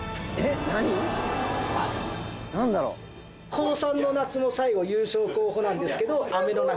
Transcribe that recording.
高３の夏の最後優勝候補なんですけど雨の中。